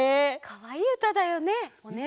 かわいいうただよね。